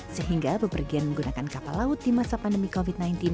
sehingga bepergian menggunakan kapal laut di masa pandemi covid sembilan belas